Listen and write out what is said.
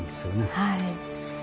はい。